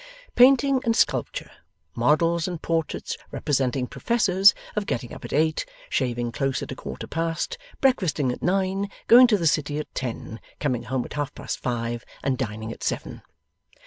Painting and Sculpture; models and portraits representing Professors of getting up at eight, shaving close at a quarter past, breakfasting at nine, going to the City at ten, coming home at half past five, and dining at seven.